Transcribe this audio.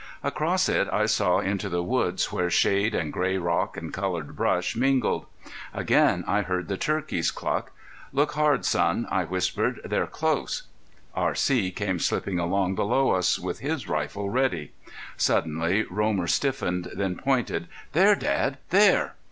Across it I saw into the woods where shade and gray rocks and colored brush mingled. Again I heard the turkeys cluck. "Look hard, son," I whispered. "They're close." R.C. came slipping along below us, with his rifle ready. Suddenly Romer stiffened, then pointed. "There! Dad! There!"